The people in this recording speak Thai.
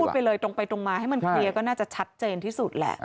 ไปเลยตรงไปตรงมาให้มันเคลียร์ก็น่าจะชัดเจนที่สุดแหละ